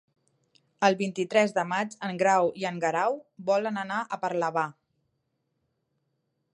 El vint-i-tres de maig en Grau i en Guerau volen anar a Parlavà.